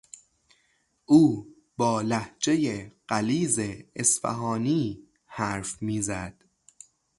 او با لهجهی غلیظ اصفهانی حرف میزد.